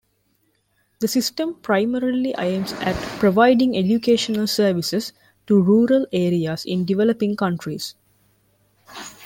The system primarily aims at providing educational services to rural areas in developing countries.